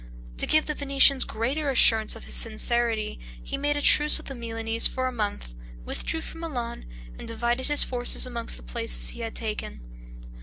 To give the Venetians greater assurance of his sincerity, he made a truce with the Milanese for a month, withdrew from Milan and divided his forces among the places he had taken.